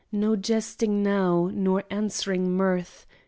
No jesting now, nor answering mirth.